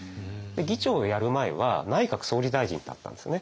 議長をやる前は内閣総理大臣だったんですね。